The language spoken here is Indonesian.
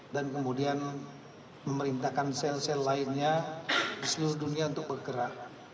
dan kemudian memerintahkan sel sel lainnya di seluruh dunia untuk bergerak